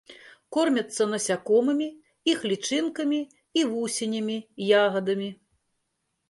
Кормяцца насякомымі, іх лічынкамі і вусенямі, ягадамі.